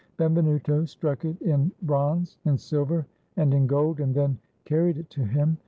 Benvenuto struck it in bronze, in silver, and in gold, and then carried it to him.